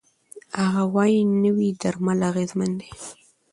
هغه وايي، نوي درمل اغېزمن دي.